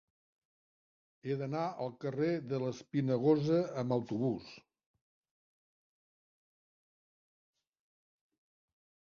He d'anar al carrer de l'Espinagosa amb autobús.